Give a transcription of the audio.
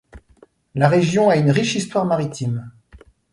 La région a une riche histoire maritime.